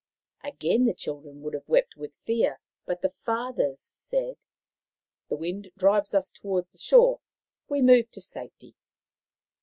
Again the children would have wept with fear, but the fathers said :" The wind drives us toward the shore. We move to safety."